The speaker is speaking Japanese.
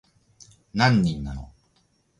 何人なの